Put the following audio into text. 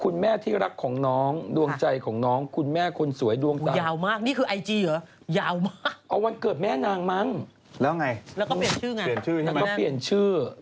แล้วแล้วไงแล้วก็เปลี่ยนชื่อไหน